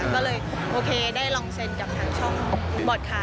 ก็เลยโอเคได้ลองเซ็นกับทางช่องบอร์ดค่ะ